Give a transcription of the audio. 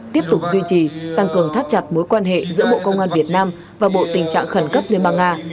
tiếp tục duy trì tăng cường thắt chặt mối quan hệ giữa bộ công an việt nam và bộ tình trạng khẩn cấp liên bang nga